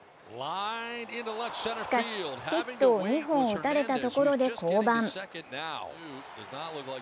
しかしヒットを２本打たれたところで降板。